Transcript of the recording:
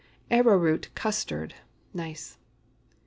ARROWROOT CUSTARD. (_Nice.